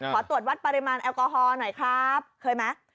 ขอตรวจวัดปริมาณแอลกอฮอล์หน่อยครับเคยไหม